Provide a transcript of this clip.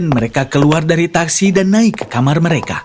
mereka keluar dari taksi dan naik ke kamar mereka